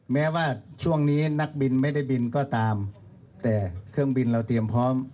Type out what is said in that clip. แม้ว่าช่วงนี้นักบินไม่ได้บินก็ตามแต่เครื่องบินเราเตรียมพร้อม